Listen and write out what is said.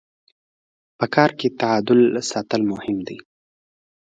په کار کي تعادل ساتل مهم دي.